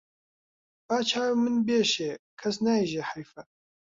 با چاو من بێشێ کەس نایژێ حەیفە